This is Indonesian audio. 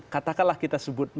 katakanlah kita sebut